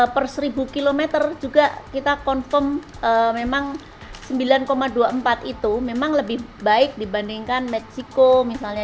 per seribu km juga kita confirm memang sembilan dua puluh empat itu memang lebih baik dibandingkan meksiko misalnya